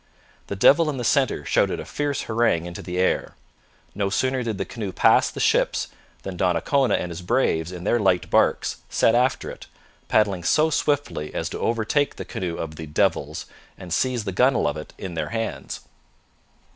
The devil in the centre shouted a fierce harangue into the air. No sooner did the canoe pass the ships than Donnacona and his braves in their light barques set after it, paddling so swiftly as to overtake the canoe of the 'devils' and seize the gunwale of it in their hands.